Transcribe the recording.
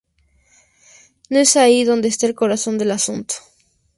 No es ahí donde esta el corazón del asunto.